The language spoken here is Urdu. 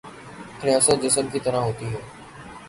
ریاست جسم کی طرح ہوتی ہے۔